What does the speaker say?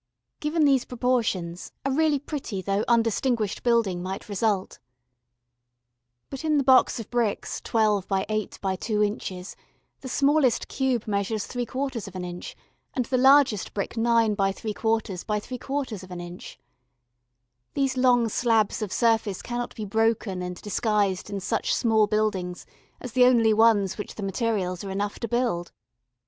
Given these proportions a really pretty though undistinguished building might result. But in the box of bricks 12 by 8 by 2 in. the smallest cube measures ¾ in. and the largest brick 9 by ¾ by ¾ in. These long slabs of surface cannot be broken and disguised in such small buildings as the only ones which the materials are enough to build.